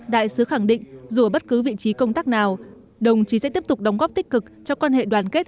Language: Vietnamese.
đại sứ khẳng định dù ở bất cứ vị trí công tác nào đồng chí sẽ tiếp tục đóng góp tích cực cho quan hệ đoàn kết